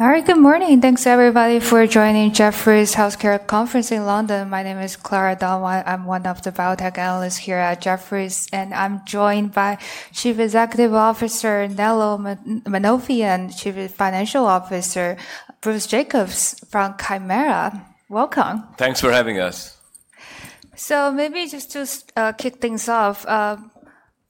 All right, good morning. Thanks, everybody, for joining Jefferies Healthcare Conference in London. My name is Clara Dunn. I'm one of the biotech analysts here at Jefferies, and I'm joined by Chief Executive Officer Nello Mainolfi and Chief Financial Officer Bruce Jacobs from Kymera. Welcome. Thanks for having us. Maybe just to kick things off,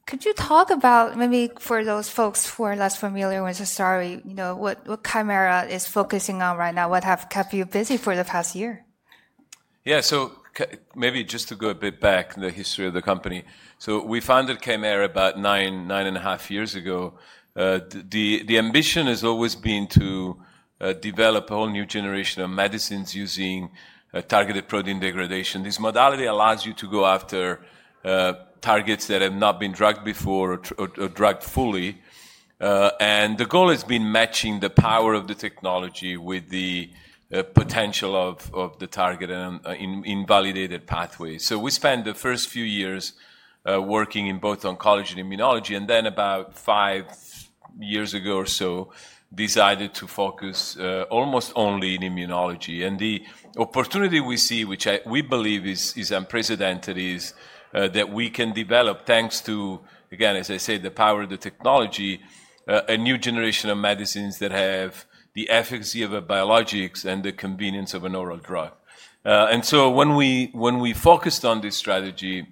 could you talk about, maybe for those folks who are less familiar with the story, what Kymera is focusing on right now? What has kept you busy for the past year? Yeah, maybe just to go a bit back in the history of the company. We founded Kymera about nine, nine and a half years ago. The ambition has always been to develop a whole new generation of medicines using targeted protein degradation. This modality allows you to go after targets that have not been drugged before or drugged fully. The goal has been matching the power of the technology with the potential of the target and invalidated pathways. We spent the first few years working in both oncology and immunology, and then about five years ago or so, decided to focus almost only on immunology. The opportunity we see, which we believe is unprecedented, is that we can develop, thanks to, again, as I say, the power of the technology, a new generation of medicines that have the efficacy of a biologic and the convenience of an oral drug. When we focused on this strategy,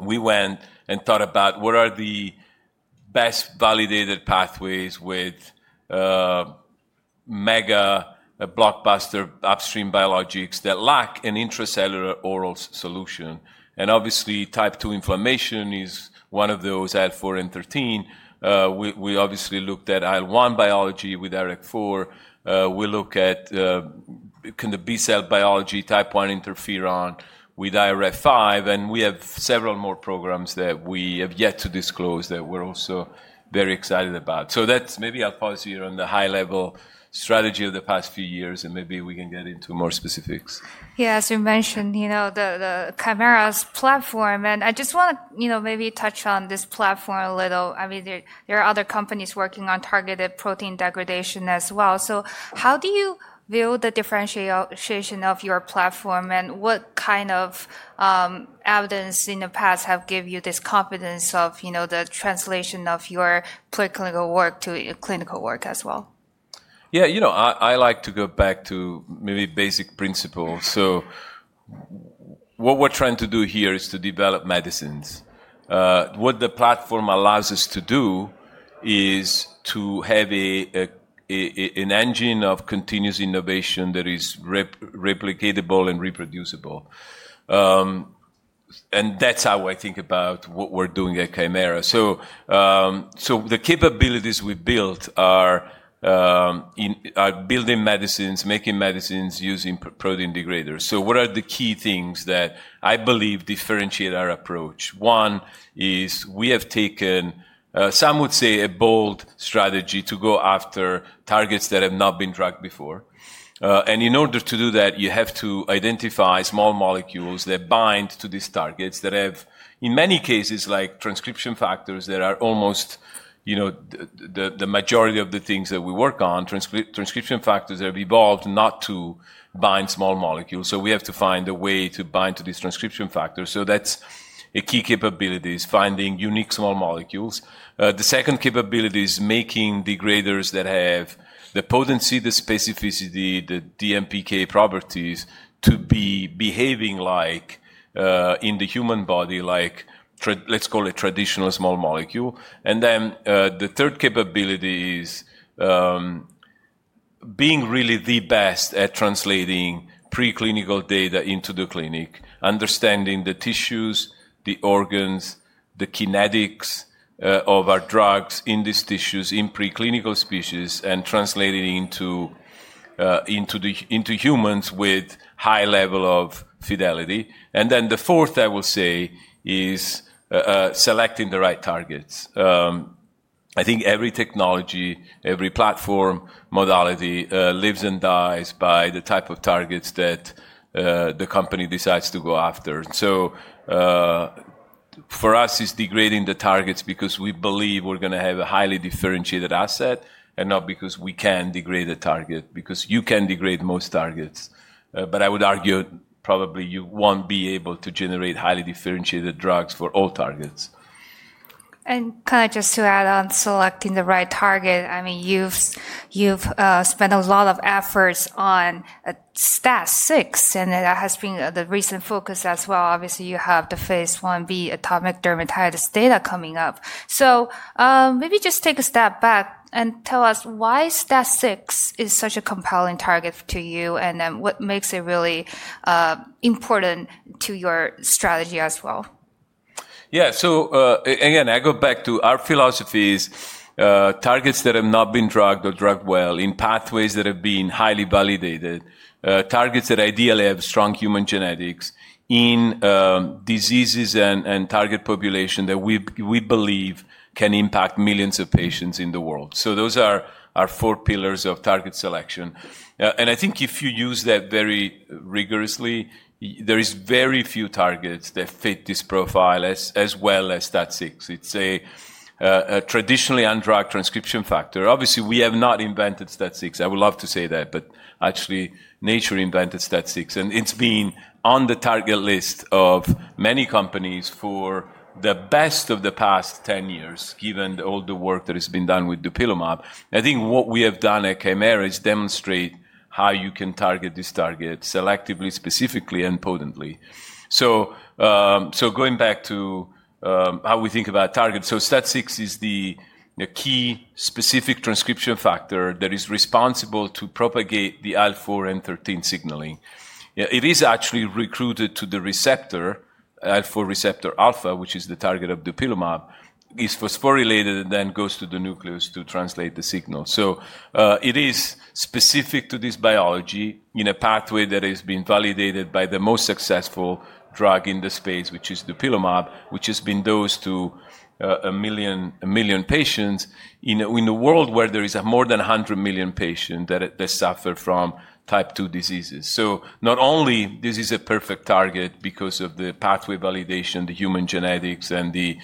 we went and thought about what are the best validated pathways with mega blockbuster upstream biologics that lack an intracellular oral solution. Obviously, type II inflammation is one of those, IL-4 and 13. We obviously looked at IL-1 biology with IRAK4. We look at, can the B-cell biology, type I interferon with IRF5. We have several more programs that we have yet to disclose that we're also very excited about. That's maybe I'll pause here on the high-level strategy of the past few years, and maybe we can get into more specifics. Yeah, as you mentioned, Kymera's platform, and I just want to maybe touch on this platform a little. I mean, there are other companies working on targeted protein degradation as well. How do you view the differentiation of your platform, and what kind of evidence in the past have given you this confidence of the translation of your preclinical work to clinical work as well? Yeah, you know, I like to go back to maybe basic principles. What we're trying to do here is to develop medicines. What the platform allows us to do is to have an engine of continuous innovation that is replicatable and reproducible. That's how I think about what we're doing at Kymera. The capabilities we built are building medicines, making medicines using protein degraders. What are the key things that I believe differentiate our approach? One is we have taken, some would say, a bold strategy to go after targets that have not been drugged before. In order to do that, you have to identify small molecules that bind to these targets that have, in many cases, like transcription factors that are almost the majority of the things that we work on, transcription factors that have evolved not to bind small molecules. We have to find a way to bind to these transcription factors. That's a key capability, finding unique small molecules. The second capability is making degraders that have the potency, the specificity, the DMPK properties to be behaving like in the human body, like, let's call it, traditional small molecule. The third capability is being really the best at translating preclinical data into the clinic, understanding the tissues, the organs, the kinetics of our drugs in these tissues in preclinical species and translating into humans with high level of fidelity. The fourth, I will say, is selecting the right targets. I think every technology, every platform modality lives and dies by the type of targets that the company decides to go after. For us, it's degrading the targets because we believe we're going to have a highly differentiated asset and not because we can degrade a target, because you can degrade most targets. I would argue probably you won't be able to generate highly differentiated drugs for all targets. Kind of just to add on selecting the right target, I mean, you've spent a lot of efforts on STAT6, and that has been the recent focus as well. Obviously, you have the phase 1b Atopic Dermatitis data coming up. Maybe just take a step back and tell us why STAT6 is such a compelling target to you and what makes it really important to your strategy as well. Yeah, again, I go back to our philosophy is targets that have not been drugged or drugged well in pathways that have been highly validated, targets that ideally have strong human genetics in diseases and target population that we believe can impact millions of patients in the world. Those are our four pillars of target selection. I think if you use that very rigorously, there are very few targets that fit this profile as well as STAT6. It's a traditionally undrugged transcription factor. Obviously, we have not invented STAT6. I would love to say that, but actually, nature invented STAT6, and it's been on the target list of many companies for the best of the past 10 years, given all the work that has been done with the Dupilumab. I think what we have done at Kymera is demonstrate how you can target this target selectively, specifically, and potently. Going back to how we think about targets, STAT6 is the key specific transcription factor that is responsible to propagate the IL-4 and 13 signaling. It is actually recruited to the receptor, IL-4 receptor alpha, which is the target of Dupilumab, is phosphorylated, and then goes to the nucleus to translate the signal. It is specific to this biology in a pathway that has been validated by the most successful drug in the space, which is Dupilumab, which has been dosed to a million patients in a world where there are more than 100 million patients that suffer from type II diseases. Not only is this a perfect target because of the pathway validation, the human genetics, and the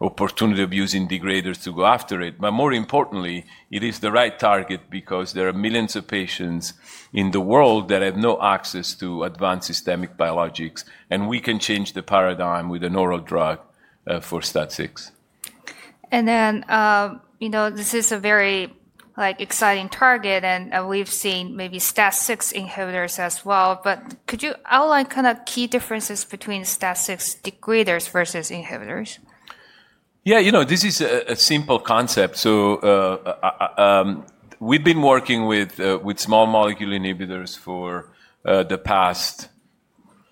opportunity of using degraders to go after it, but more importantly, it is the right target because there are millions of patients in the world that have no access to advanced systemic biologics, and we can change the paradigm with an oral drug for STAT6. This is a very exciting target, and we've seen maybe STAT6 inhibitors as well. Could you outline kind of key differences between STAT6 degraders versus inhibitors? Yeah, you know, this is a simple concept. We've been working with small molecule inhibitors for the past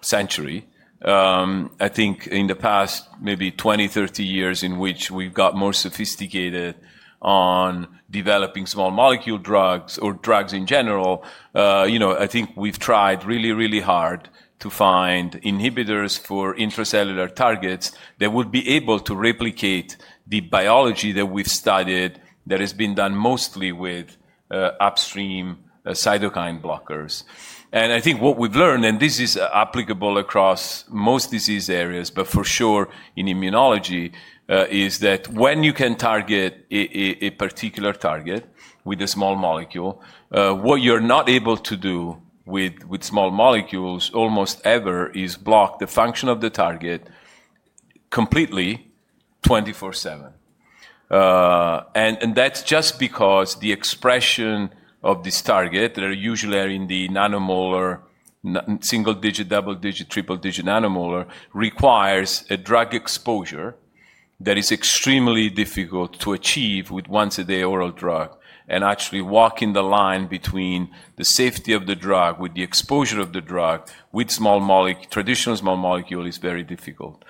century. I think in the past maybe 20, 30 years in which we've got more sophisticated on developing small molecule drugs or drugs in general, I think we've tried really, really hard to find inhibitors for intracellular targets that would be able to replicate the biology that we've studied that has been done mostly with upstream cytokine blockers. I think what we've learned, and this is applicable across most disease areas, but for sure in immunology, is that when you can target a particular target with a small molecule, what you're not able to do with small molecules almost ever is block the function of the target completely 24/7. That is just because the expression of this target that usually are in the nanomolar, single digit, double digit, triple digit nanomolar requires a drug exposure that is extremely difficult to achieve with once-a-day oral drug. Actually, walking the line between the safety of the drug with the exposure of the drug with traditional small molecules is very difficult.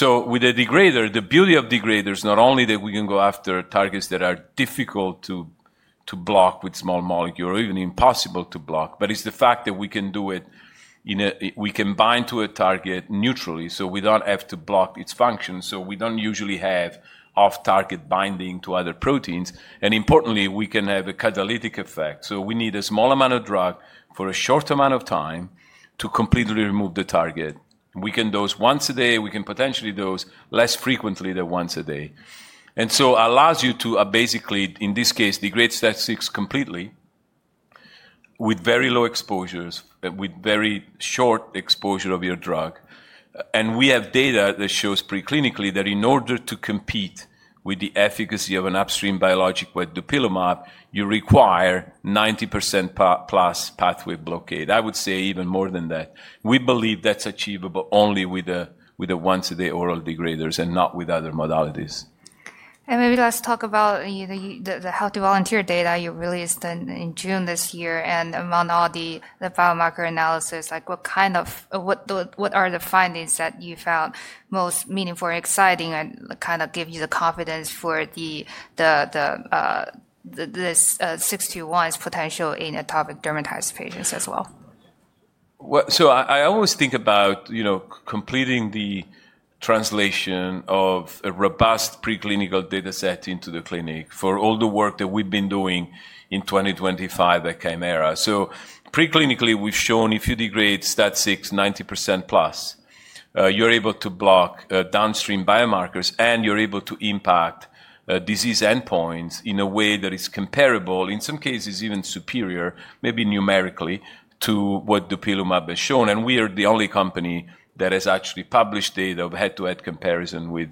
With a degrader, the beauty of degraders is not only that we can go after targets that are difficult to block with small molecules or even impossible to block, but it is the fact that we can do it in a way we can bind to a target neutrally, so we do not have to block its function. We do not usually have off-target binding to other proteins. Importantly, we can have a catalytic effect. We need a small amount of drug for a short amount of time to completely remove the target. We can dose once a day. We can potentially dose less frequently than once a day. It allows you to basically, in this case, degrade STAT6 completely with very low exposures, with very short exposure of your drug. We have data that shows preclinically that in order to compete with the efficacy of an upstream biologic with Dupilumab, you require 90%+ pathway blockade. I would say even more than that. We believe that's achievable only with the once-a-day oral degraders and not with other modalities. Maybe let's talk about the healthy volunteer data you released in June this year and among all the biomarker analysis. What kind of, what are the findings that you found most meaningful and exciting and kind of give you the confidence for this KT-621 potential in atopic dermatitis patients as well? I always think about completing the translation of a robust preclinical data set into the clinic for all the work that we've been doing in 2025 at Kymera. Preclinically, we've shown if you degrade STAT6 90% plus, you're able to block downstream biomarkers, and you're able to impact disease endpoints in a way that is comparable, in some cases even superior, maybe numerically, to what Dupilumab has shown. We are the only company that has actually published data of head-to-head comparison with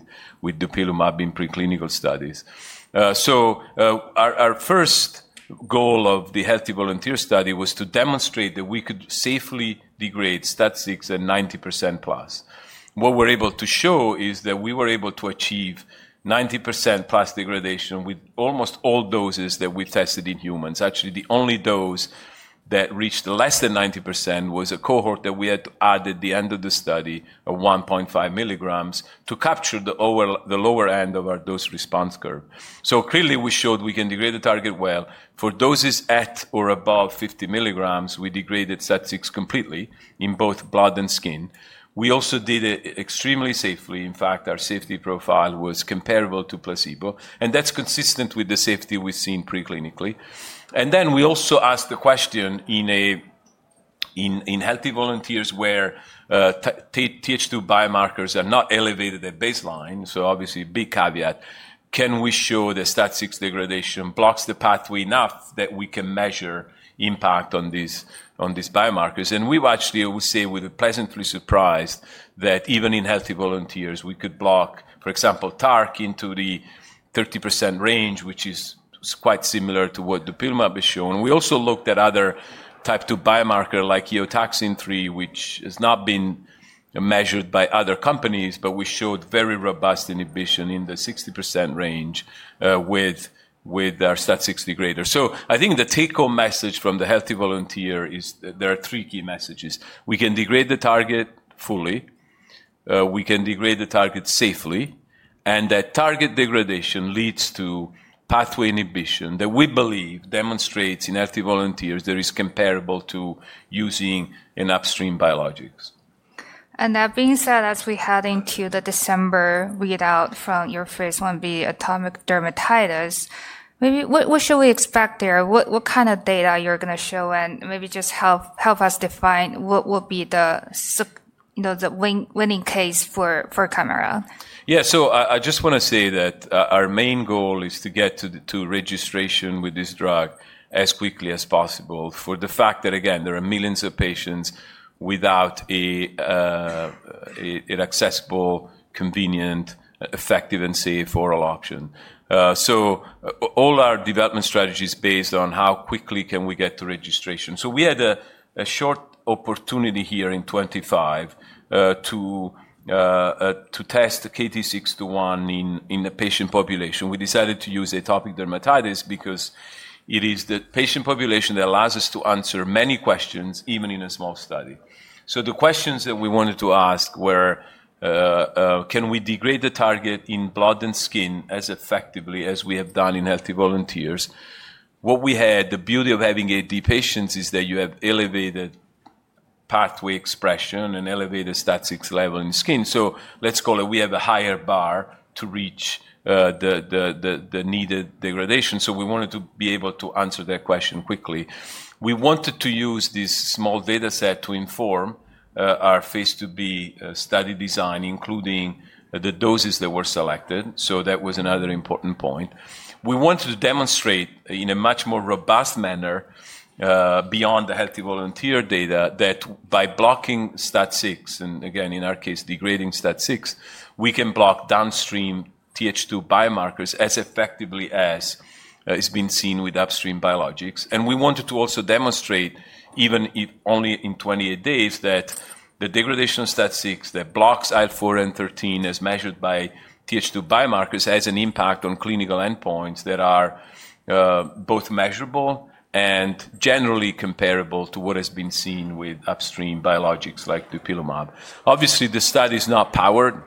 Dupilumab in preclinical studies. Our first goal of the healthy volunteer study was to demonstrate that we could safely degrade STAT6 at 90% plus. What we're able to show is that we were able to achieve 90% plus degradation with almost all doses that we tested in humans. Actually, the only dose that reached less than 90% was a cohort that we had added at the end of the study of 1.5 milligrams to capture the lower end of our dose response curve. Clearly, we showed we can degrade the target well. For doses at or above 50 milligrams, we degraded STAT6 completely in both blood and skin. We also did it extremely safely. In fact, our safety profile was comparable to placebo, and that's consistent with the safety we've seen preclinically. We also asked the question in healthy volunteers where Th2 biomarkers are not elevated at baseline. Obviously, big caveat, can we show that STAT6 degradation blocks the pathway enough that we can measure impact on these biomarkers? We actually would say we were pleasantly surprised that even in healthy volunteers, we could block, for example, TARC into the 30% range, which is quite similar to what Dupilumab has shown. We also looked at other type II biomarker like eotaxin-3, which has not been measured by other companies, but we showed very robust inhibition in the 60% range with our STAT6 degraders. I think the take-home message from the healthy volunteer is there are three key messages. We can degrade the target fully. We can degrade the target safely. That target degradation leads to pathway inhibition that we believe demonstrates in healthy volunteers that is comparable to using an upstream biologic. That being said, as we head into the December readout from your phase 1b Atopic Dermatitis, maybe what should we expect there? What kind of data are you going to show? Maybe just help us define what will be the winning case for Kymera. Yeah, I just want to say that our main goal is to get to registration with this drug as quickly as possible for the fact that, again, there are millions of patients without an accessible, convenient, effective, and safe oral option. All our development strategy is based on how quickly we can get to registration. We had a short opportunity here in 2025 to test the KT-621 in the patient population. We decided to use Atopic Dermatitis because it is the patient population that allows us to answer many questions, even in a small study. The questions that we wanted to ask were, can we degrade the target in blood and skin as effectively as we have done in healthy volunteers? What we had, the beauty of having AD patients is that you have elevated pathway expression and elevated STAT6 level in skin. Let's call it we have a higher bar to reach the needed degradation. We wanted to be able to answer that question quickly. We wanted to use this small data set to inform our phase IIb study design, including the doses that were selected. That was another important point. We wanted to demonstrate in a much more robust manner beyond the healthy volunteer data that by blocking STAT6, and again, in our case, degrading STAT6, we can block downstream Th2 biomarkers as effectively as has been seen with upstream biologics. We wanted to also demonstrate even only in 28 days that the degradation of STAT6 that blocks IL-4 and IL-13 as measured by Th2 biomarkers has an impact on clinical endpoints that are both measurable and generally comparable to what has been seen with upstream biologics like Dupilumab. Obviously, the study is not powered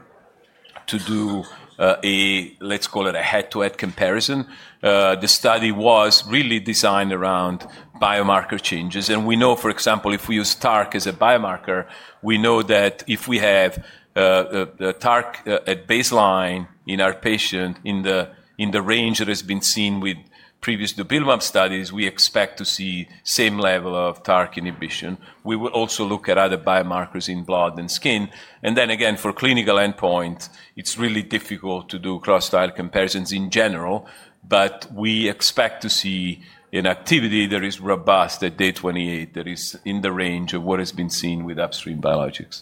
to do a, let's call it a head-to-head comparison. The study was really designed around biomarker changes. We know, for example, if we use TARC as a biomarker, we know that if we have TARC at baseline in our patient in the range that has been seen with previous Dupilumab studies, we expect to see the same level of TARC inhibition. We will also look at other biomarkers in blood and skin. For clinical endpoints, it's really difficult to do cross-style comparisons in general, but we expect to see an activity that is robust at day 28 that is in the range of what has been seen with upstream biologics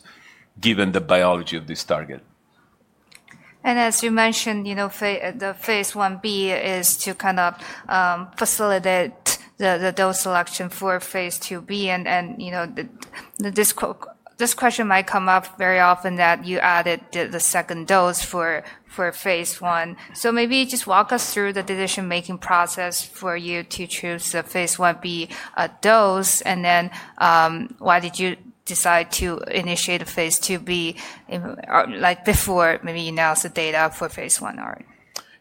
given the biology of this target. As you mentioned, the phase 1b is to kind of facilitate the dose selection for phase 2b. This question might come up very often that you added the second dose for phase 1. Maybe just walk us through the decision-making process for you to choose the phase 1b dose. Why did you decide to initiate a phase 2b before maybe you announced the data for phase 1?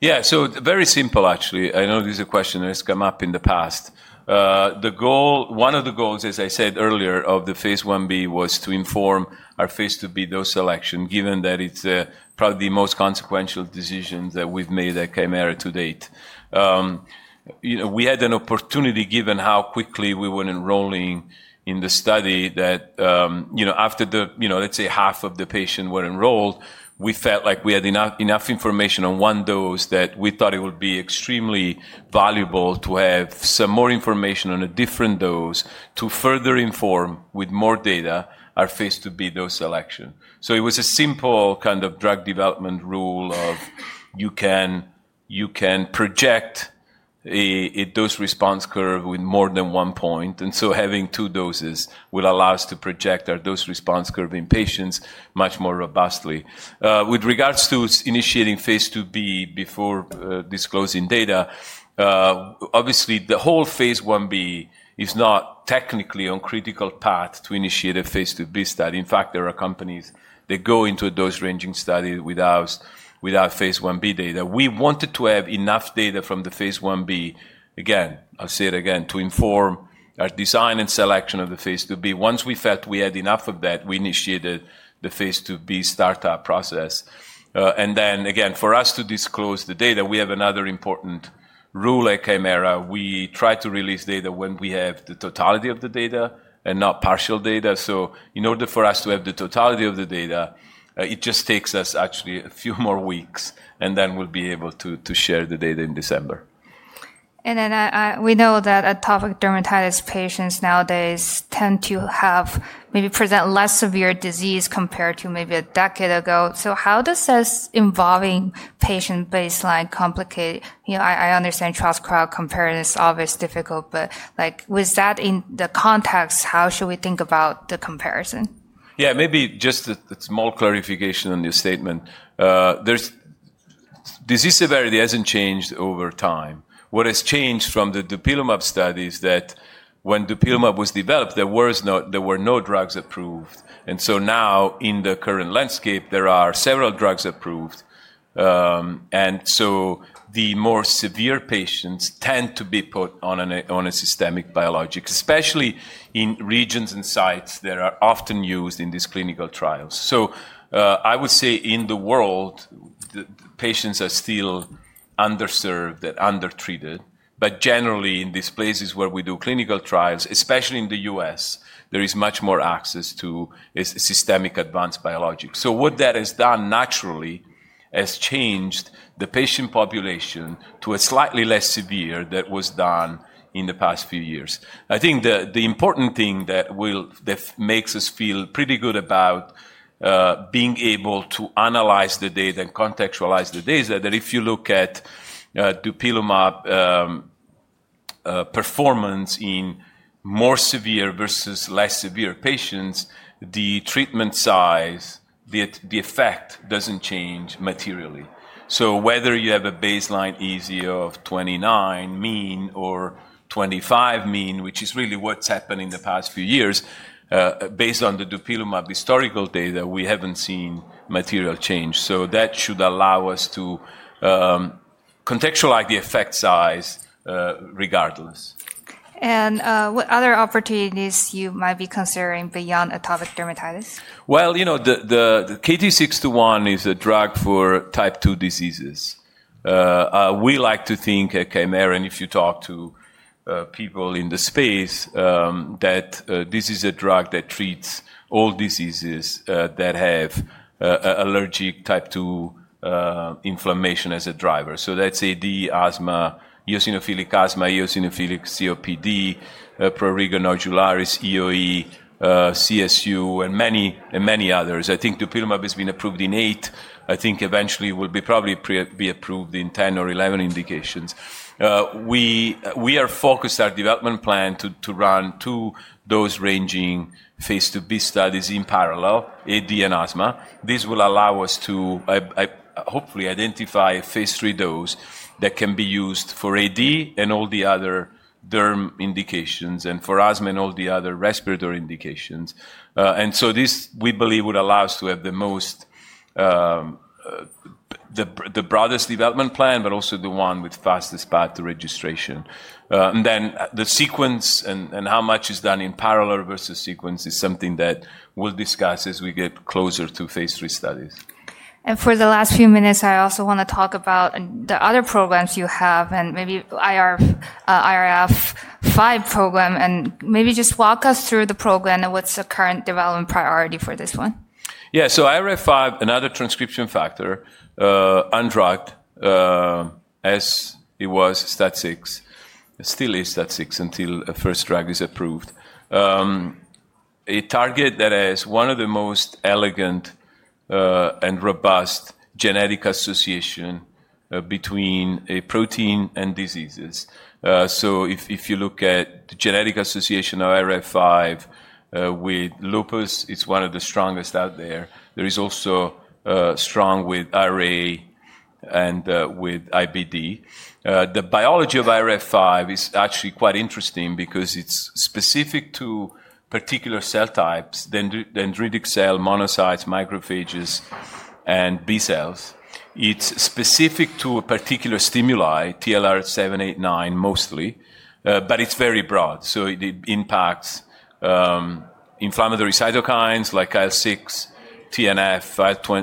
Yeah, so very simple, actually. I know this is a question that has come up in the past. One of the goals, as I said earlier, of the phase 1b was to inform our phase 2b dose selection, given that it's probably the most consequential decision that we've made at Kymera to date. We had an opportunity, given how quickly we were enrolling in the study, that after, let's say, half of the patients were enrolled, we felt like we had enough information on one dose that we thought it would be extremely valuable to have some more information on a different dose to further inform with more data our phase 2b dose selection. It was a simple kind of drug development rule of you can project a dose response curve with more than one point. Having two doses will allow us to project our dose response curve in patients much more robustly. With regards to initiating phase 2b before disclosing data, obviously, the whole phase 1b is not technically on critical path to initiate a phase 2b study. In fact, there are companies that go into a dose ranging study without phase 1b data. We wanted to have enough data from the phase 1b, again, I'll say it again, to inform our design and selection of the phase 2b. Once we felt we had enough of that, we initiated the phase 2b startup process. For us to disclose the data, we have another important rule at Kymera. We try to release data when we have the totality of the data and not partial data. In order for us to have the totality of the data, it just takes us actually a few more weeks, and then we'll be able to share the data in December. We know that Atopic Dermatitis patients nowadays tend to have maybe present less severe disease compared to maybe a decade ago. How does this involving patient baseline complicate? I understand cross-crowd comparison is always difficult, but with that in the context, how should we think about the comparison? Yeah, maybe just a small clarification on your statement. Disease severity has not changed over time. What has changed from the Dupilumab study is that when the Dupilumab was developed, there were no drugs approved. In the current landscape, there are several drugs approved. The more severe patients tend to be put on a systemic biologic, especially in regions and sites that are often used in these clinical trials. I would say in the world, patients are still underserved and undertreated. Generally, in these places where we do clinical trials, especially in the U.S., there is much more access to systemic advanced biologics. What that has done naturally has changed the patient population to a slightly less severe than it was done in the past few years. I think the important thing that makes us feel pretty good about being able to analyze the data and contextualize the data is that if you look at the Dupilumab performance in more severe versus less severe patients, the treatment size, the effect doesn't change materially. Whether you have a baseline EASI of 29 mean or 25 mean, which is really what's happened in the past few years, based on the Dupilumab historical data, we haven't seen material change. That should allow us to contextualize the effect size regardless. What other opportunities you might be considering beyond Atopic Dermatitis? You know the KT-621 is a drug for type II diseases. We like to think at Kymera, and if you talk to people in the space, that this is a drug that treats all diseases that have allergic type II inflammation as a driver. So that's atopic dermatitis, asthma, eosinophilic asthma, eosinophilic COPD, prurigo nodularis, EOE, CSU, and many others. I think Dupilumab has been approved in eight. I think eventually it will probably be approved in 10 or 11 indications. We are focused our development plan to run two dose ranging phase 2b studies in parallel, Atopic Dermatitis and asthma. This will allow us to hopefully identify a phase 3 dose that can be used for atopic dermatitis and all the other derm indications and for asthma and all the other respiratory indications. This, we believe, would allow us to have the broadest development plan, but also the one with the fastest path to registration. The sequence and how much is done in parallel versus sequence is something that we'll discuss as we get closer to phase III studies. For the last few minutes, I also want to talk about the other programs you have and maybe IRF5 program. Maybe just walk us through the program and what's the current development priority for this one. Yeah, so IRF5, another transcription factor, undrugged as it was STAT6, still is STAT6 until a first drug is approved. It targeted that as one of the most elegant and robust genetic associations between a protein and diseases. If you look at the genetic association of IRF5 with lupus, it's one of the strongest out there. There is also strong with RA and with IBD. The biology of IRF5 is actually quite interesting because it's specific to particular cell types, dendritic cell monocytes, macrophages, and B-cells. It's specific to a particular stimuli, TLR7, 8, 9 mostly, but it's very broad. It impacts inflammatory cytokines like IL-6, TNF, IL-12,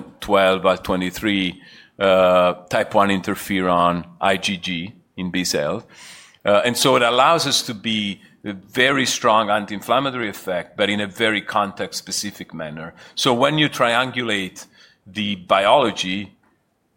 IL-23, type 1 interferon, IgG in B-cells. It allows us to be a very strong anti-inflammatory effect, but in a very context-specific manner. When you triangulate the biology,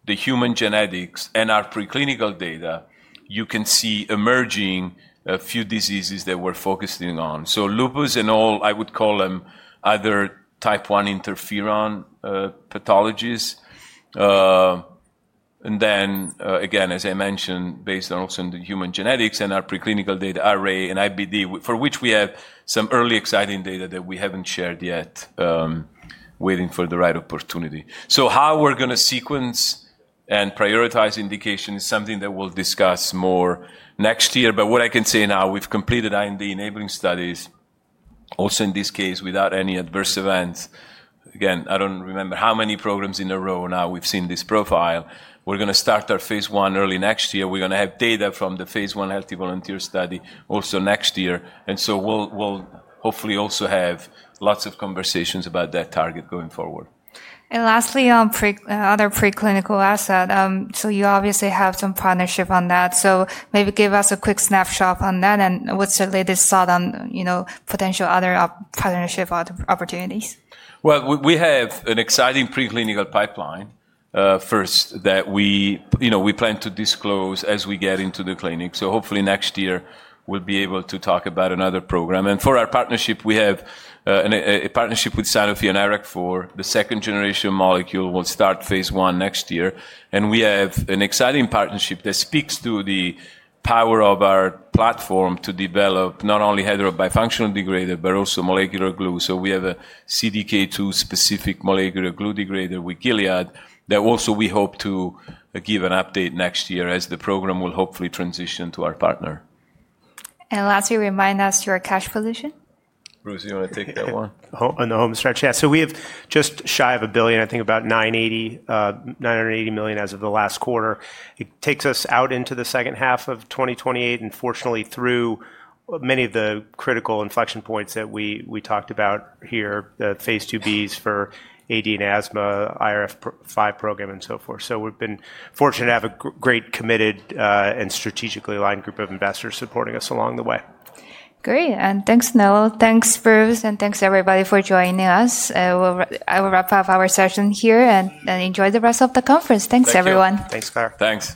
the human genetics, and our preclinical data, you can see emerging a few diseases that we're focusing on. Lupus and all, I would call them other type I interferon pathologies. As I mentioned, based also on the human genetics and our preclinical data, RA and IBD, for which we have some early exciting data that we haven't shared yet, waiting for the right opportunity. How we're going to sequence and prioritize indications is something that we'll discuss more next year. What I can say now, we've completed IND enabling studies, also in this case without any adverse events. I don't remember how many programs in a row now we've seen this profile. We're going to start our phase I early next year. We're going to have data from the phase I healthy volunteer study also next year. We'll hopefully also have lots of conversations about that target going forward. Lastly, on other preclinical asset, you obviously have some partnership on that. Maybe give us a quick snapshot on that and what's your latest thought on potential other partnership opportunities? We have an exciting preclinical pipeline first that we plan to disclose as we get into the clinic. Hopefully next year, we'll be able to talk about another program. For our partnership, we have a partnership with Sanofi and Regeneron for the second generation molecule. We'll start phase 1 next year. We have an exciting partnership that speaks to the power of our platform to develop not only heterobifunctional degrader, but also molecular glue. We have a CDK2 specific molecular glue degrader with Gilead that also we hope to give an update next year as the program will hopefully transition to our partner. Lastly, remind us your cash position. Bruce, do you want to take that one? On the home stretch, yeah. We have just shy of a billion, I think about $980 million as of the last quarter. It takes us out into the second half of 2028 and fortunately through many of the critical inflection points that we talked about here, the phase 2b's for AD and asthma, IRF5 program, and so forth. We have been fortunate to have a great committed and strategically aligned group of investors supporting us along the way. Great. Thanks, Nello. Thanks, Bruce, and thanks everybody for joining us. I will wrap up our session here and enjoy the rest of the conference. Thanks, everyone. Thanks, Clara. Thanks.